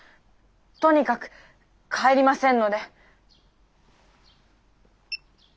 とにかく帰りませんので。